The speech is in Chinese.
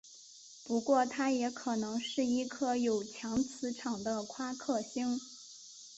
不过它也可能是一颗有强磁场的夸克星。